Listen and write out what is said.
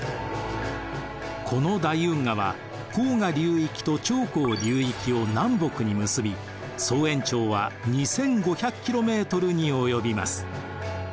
この大運河は黄河流域と長江流域を南北に結び総延長は２，５００ｋｍに及びます。